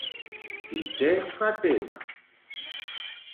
I què va témer?